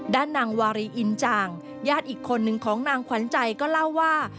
ด้านนางวารีอินจ่างญาติอีกคนนึงของนางขวัญใจก็เล่าว่า